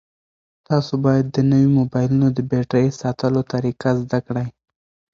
تاسو باید د نویو موبایلونو د بېټرۍ ساتلو طریقه زده کړئ.